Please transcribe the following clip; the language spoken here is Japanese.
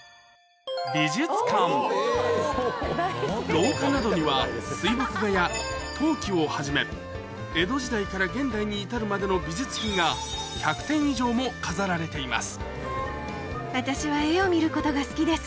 廊下などには水墨画や陶器をはじめ江戸時代から現代に至るまでの美術品がも飾られています